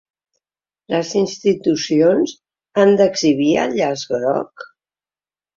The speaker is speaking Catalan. Les institucions han d’exhibir el llaç groc?